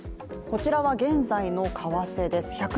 こちらは現在の為替です。